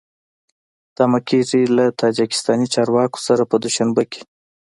تمه کېږي له تاجکستاني چارواکو سره په دوشنبه کې